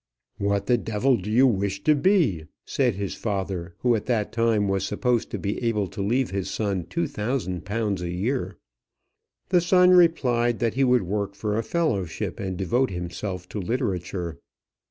"What the devil do you wish to be?" said his father, who at that time was supposed to be able to leave his son £2000 a year. The son replied that he would work for a fellowship, and devote himself to literature.